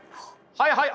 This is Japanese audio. はいはい。